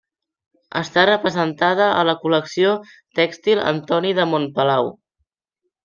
Està representada a la Col·lecció tèxtil Antoni de Montpalau.